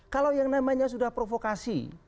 kalau yang namanya sudah provokasi